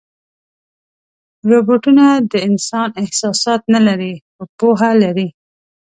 روبوټونه د انسان احساسات نه لري، خو پوهه لري.